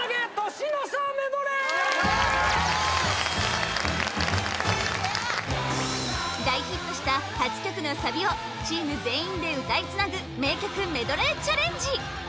年の差メドレー大ヒットした８曲のサビをチーム全員で歌いつなぐ名曲メドレーチャレンジ